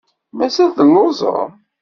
Mazal telluẓem?